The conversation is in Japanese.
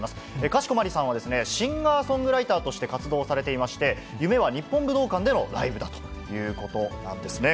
かしこまりさんはシンガーソングライターとして活動されていまして、夢は日本武道館でのライブだということなんですね。